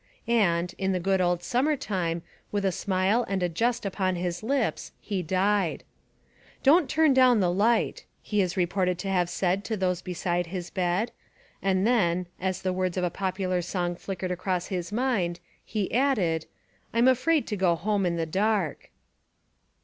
And "in the good old summer time" with a smile and a jest upon his hps he died. "Don't turn down the light," he is reported to have said to those beside his bed, and then, as the words of a popular song flick ered across his mind, he added, "I'm afraid to go home in the dark."